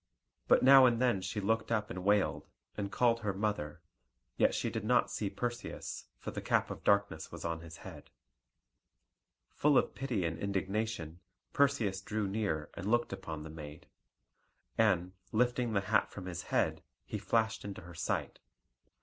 But now and then she looked up and wailed, and called her mother; yet she did not see Perseus, for the cap of darkness was on his head. Full of pity and indignation, Perseus drew near and looked upon the maid. And, lifting the hat from his head, he flashed into her sight.